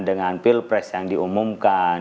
dengan pilpres yang diumumkan